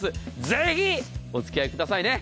ぜひお付き合いくださいね。